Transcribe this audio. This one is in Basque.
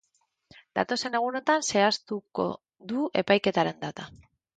Datozen egunotan zehaztuko du epaiketaren data.